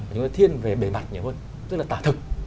chúng tôi thiên về bề mặt nhiều hơn tức là tả thực